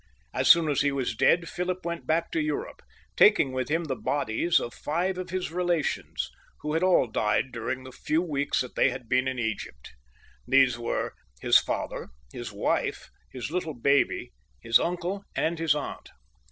As soon as he was dead Philip went back to Europe, taking with him the bodies of five of his relations, who had all died during the few weeks that they had been in Egjrpt. These were, his father, his wife, his little baby, his uncle, and his aunt.